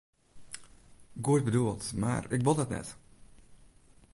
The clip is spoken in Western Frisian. Goed bedoeld, mar ik wol dat net.